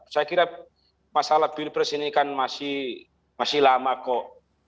saya kira masalah pilpres ini kan masih lama kok